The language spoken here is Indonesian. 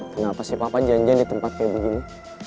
kenapa si papa janjian di tempat kayak begini